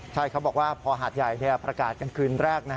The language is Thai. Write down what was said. ใช่เขาบอกว่าพอหาดใหญ่ประกาศกันคืนแรก